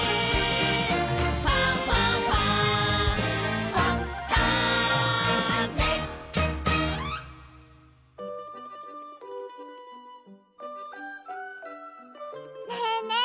「ファンファンファン」ねえねえ